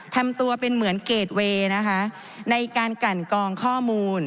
ทำตัวเป็นเหมือนเกรดเวย์นะคะในการกันกองข้อมูล